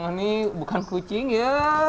ini bukan kucing ya